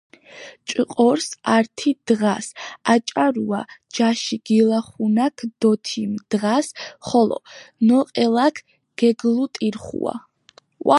ჭყორს ართი დღას აჭარუა ჯაში გილახუნაქ დო თიმ დღას ხოლო ნოყელაქ გეგლუტირხუა.